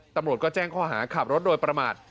ตำรวจก็แจ้งข้อหาขับรถโดยประมาท